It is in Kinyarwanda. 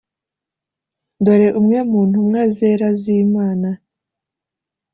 dore umwe mu ntumwa zera z'imana